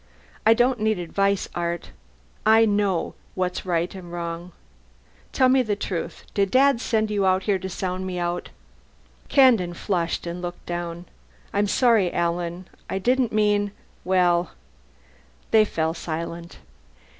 "I don't need advice, Art. I know what's right and wrong. Tell me the truth did Dad send you to sound me out?" Kandin flushed and looked down. "I'm sorry, Alan. I didn't mean well " They fell silent.